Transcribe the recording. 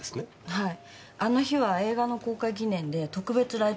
はい。